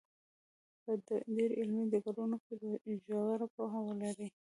په ډېرو علمي ډګرونو کې ژوره پوهه ولري.